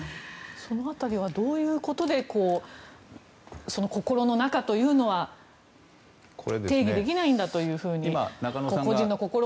その辺りはどういうことで心の中というのは定義できないんだというふうに。